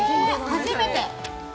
初めて。